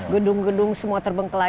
gedung gedung semua terbengkelai